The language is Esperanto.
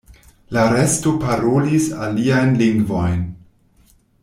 La resto parolis aliajn lingvojn.